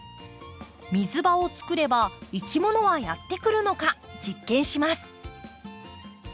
水場を作ればいきものはやって来るのか実験します。